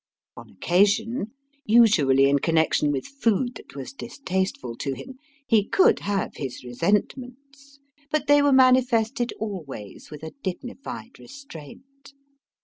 On occasion usually in connection with food that was distasteful to him he could have his resentments; but they were manifested always with a dignified restraint.